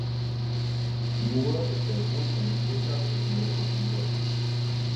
Moore ist der Sohn von Richard und Nora Moore.